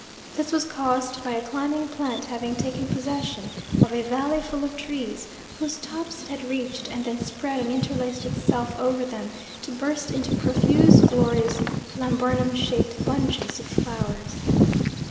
This was caused by a climbing plant having taken possession of a valley full of trees, whose tops it had reached and then spread and interlaced itself over them, to burst into profuse glorious laburnum shaped bunches of flowers.